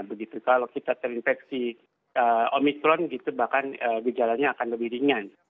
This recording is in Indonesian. begitu kalau kita terinfeksi omikron gitu bahkan gejalanya akan lebih ringan